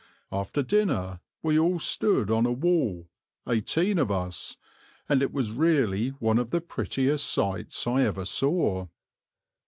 After dinner we all stood on a wall, eighteen of us, and it was really one of the prettiest sights I ever saw.